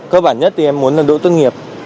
cơ bản nhất thì em muốn là đỗ tốt nghiệp